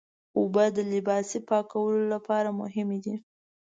اوبه د لباسي پاکولو لپاره مهمې دي.